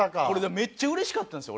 めっちゃうれしかったんですよ